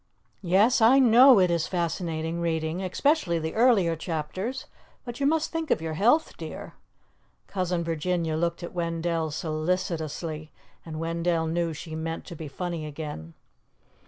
Yes, I know it is fascinating reading, especially the earlier chapters, but you must think of your health, dear." Cousin Virginia looked at Wendell solicitously, and Wendell knew she meant to be funny again.